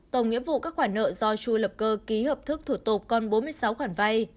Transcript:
tổng nghĩa vụ các khoản nợ do chu lập cơ ký hợp thức thủ tục còn bốn mươi sáu khoản vay